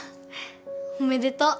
おめでとう。